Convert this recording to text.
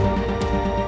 kau mau makan malam